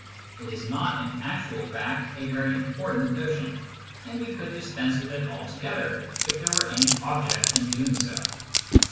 It is not, in actual fact, a very important notion, and we could dispense with it altogether if there were any object in doing so.